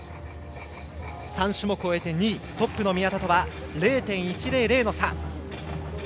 ３種目を終えて２位トップの宮田とは０．１００の差。